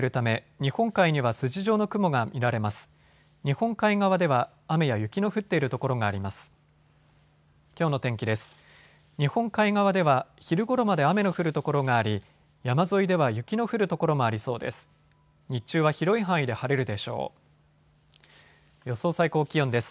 日本海側では昼ごろまで雨の降る所があり山沿いでは雪の降る所もありそうです。